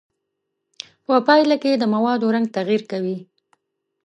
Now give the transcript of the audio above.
په پایله کې د موادو رنګ تغیر کوي.